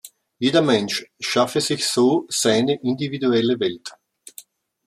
Jeder Mensch schaffe sich so seine individuelle Welt.